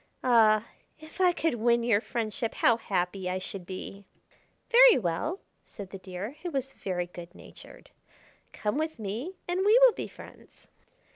Ah! if I could win your friendship how happy I should be!" "Very well," said the Deer, who was very good natured. "Come with me, and we will be friends."